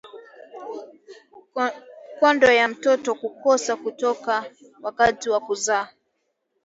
Kondo ya mtoto kukosa kutoka wakati wa kuzaa